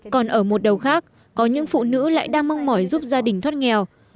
còn ở một đầu khác có những phụ nữ lại đang mong mỏi giúp gia đình thoát nghèo